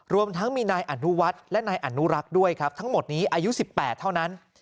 รวมทั้งมีนายอนุวัฒน์และนายอนุรักษ์ด้วยครับทั้งหมดนี้อายุ๑๘เท่านั้น